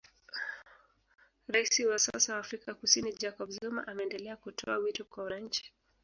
Raisi wa sasa wa Afrika Kusini Jacob Zuma ameendelea kutoa wito kwa wananchi